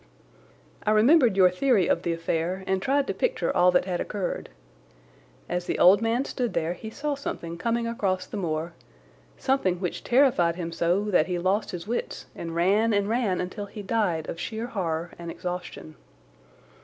I remembered your theory of the affair and tried to picture all that had occurred. As the old man stood there he saw something coming across the moor, something which terrified him so that he lost his wits and ran and ran until he died of sheer horror and exhaustion.